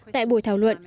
tại buổi thảo luận